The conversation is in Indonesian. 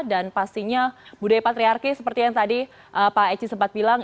dan pastinya budaya patriarki seperti yang tadi pak eci sempat bilang